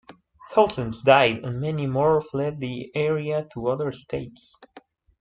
Thousands died, and many more fled the area to other states.